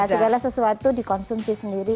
segala sesuatu dikonsumsi sendiri